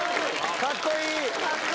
かっこいい。